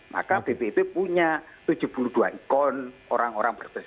maka bpip punya tujuh puluh dua ikon orang orang berprestasi